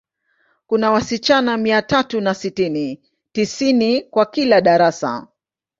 Kuna wasichana mia tatu na sitini, tisini kwa kila darasa.